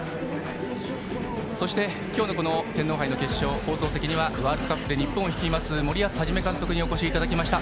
そして、今日の天皇杯の決勝放送席にはワールドカップで日本を率います森保一監督にお越しいただきました。